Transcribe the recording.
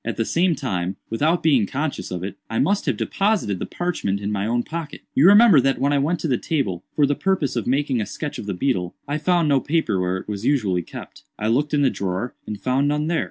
At the same time, without being conscious of it, I must have deposited the parchment in my own pocket. "You remember that when I went to the table, for the purpose of making a sketch of the beetle, I found no paper where it was usually kept. I looked in the drawer, and found none there.